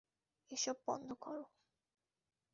এসব বন্ধ কর!